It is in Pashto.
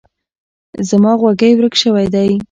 زما غوږۍ ورک شوی ده.